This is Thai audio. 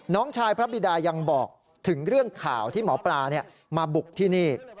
น้องชายพระบิดายังบอกถึงเรื่องข่าวที่หมอปลามาบุกที่นี่